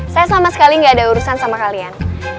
saya sama sekali gak ada urusan sama kalian